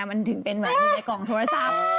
มันถึงเป็นแบบอยู่ในกล่องโทรศัพท์